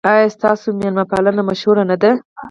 ایا ستاسو میلمه پالنه مشهوره نه ده؟